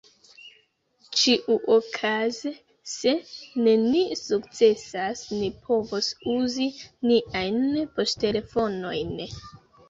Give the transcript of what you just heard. Ĉiuokaze, se ni ne sukcesas, ni povos uzi niajn poŝtelefonojn.